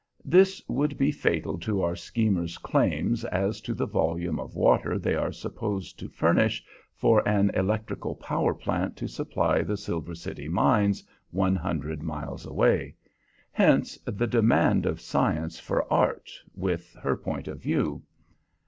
This would be fatal to our schemers' claims as to the volume of water they are supposed to furnish for an electrical power plant to supply the Silver City mines, one hundred miles away. Hence the demand of Science for Art, with her point of view.